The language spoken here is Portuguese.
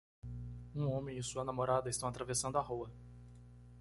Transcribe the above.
Um homem e sua namorada estão atravessando a rua.